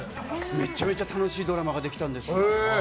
めちゃめちゃ楽しいドラマができたんですよ。